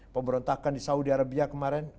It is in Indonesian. pemberontakan di saudi arabia kemarin